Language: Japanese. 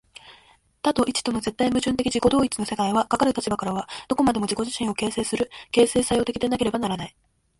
多と一との絶対矛盾的自己同一の世界は、かかる立場からはどこまでも自己自身を形成する、形成作用的でなければならない。